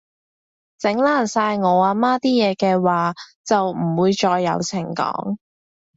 整爛晒我阿媽啲嘢嘅話，就唔會再有情講